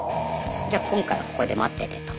じゃ今回はここで待っててと。